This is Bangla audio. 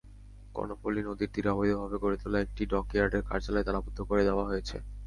কর্ণফুলী নদীর তীরে অবৈধভাবে গড়ে তোলা একটি ডকইয়ার্ডের কার্যালয় তালাবদ্ধ করে দেওয়া হয়েছে।